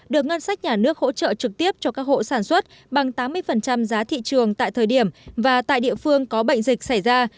được ngân sách nhà nước hỗ trợ trực tiếp cho các hộ sản xuất bằng tám mươi giá thị trường tại thời điểm và tại địa phương có bệnh dịch xảy ra